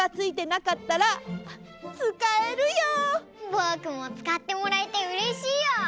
ぼくもつかってもらえてうれしいよ！